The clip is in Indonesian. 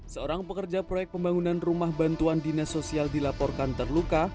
seorang pekerja proyek pembangunan rumah bantuan dinas sosial dilaporkan terluka